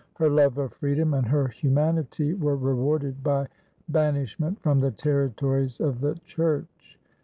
Her love of freedom and her humanity were rewarded by banishment from the territories of the Church.